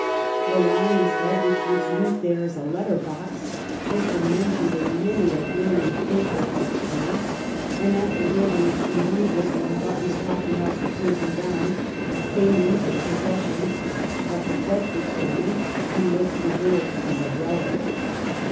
The lion's head which was used there as a letter box has been mentioned in many a brilliant paper of that time, and, after various removals, when Button's Coffee house was taken down, came into possession of the Bedford family and was preserved as a relic.